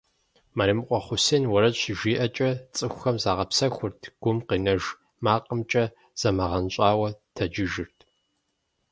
Мэремыкъуэ Хъусен уэрэд щыжиӀэкӀэ цӀыхухэм загъэпсэхурт, гум къинэж макъымкӀэ замыгъэнщӀауэ тэджыжырт.